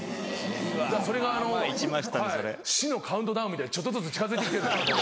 それが死のカウントダウンみたいにちょっとずつ近づいて来てるんで。